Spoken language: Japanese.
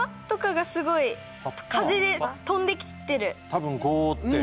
多分ゴーって。